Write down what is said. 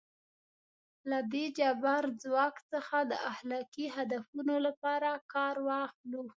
له دې جبار ځواک څخه د اخلاقي هدفونو لپاره کار واخلو.